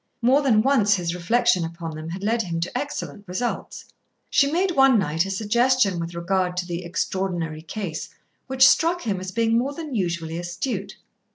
More than once his reflection upon them had led him to excellent results. She made one night a suggestion with regard to the Extraordinary Case which struck him as being more than usually astute.